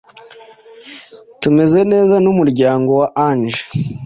tumeze neza n’umuryango wa Ange